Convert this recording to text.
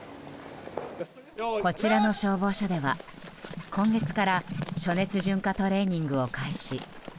こちらの消防署では今月から暑熱順化トレーニングを開始。